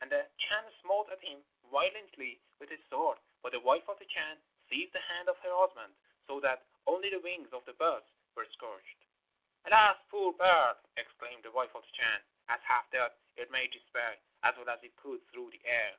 And the Chan smote at him violently with his sword; but the wife of the Chan seized the hand of her husband, so that only the wings of the bird were scorched. 'Alas, poor bird!' exclaimed the wife of the Chan, as, half dead, it made its way, as well as it could, through the air.